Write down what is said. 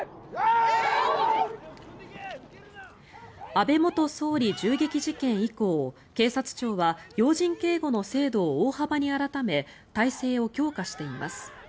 安倍元総理銃撃事件以降警察庁は要人警護の制度を大幅に改め体制を強化しています。